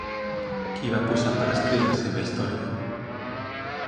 Qui va posar per escrit la seva història?